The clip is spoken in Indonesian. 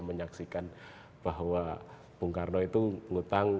menyaksikan bahwa bung karno itu ngutang